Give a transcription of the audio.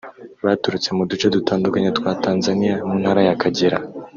Baturutse mu duce dutandukanye twa Tanzaniya mu ntara ya Kagera